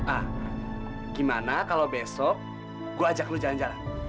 ah gimana kalau besok gue ajak lo jalan jalan